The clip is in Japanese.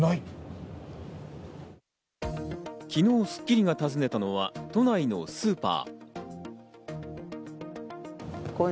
昨日『スッキリ』が訪ねたのは都内のスーパー。